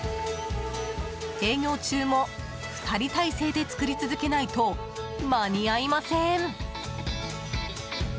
営業中も２人態勢で作り続けないと間に合いません。